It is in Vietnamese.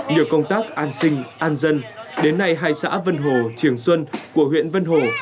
nhờ công tác an sinh an dân đến nay hai xã vân hồ trường xuân của huyện vân hồ